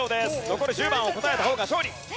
残る１０番を答えた方が勝利。